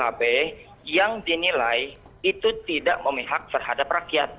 tapi yang kami menilai itu tidak memihak terhadap rakyat